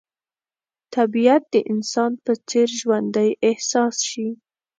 طبیعت د انسان په څېر ژوندی احساس شي.